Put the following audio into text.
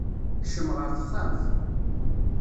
Kcem ɣer texxamt.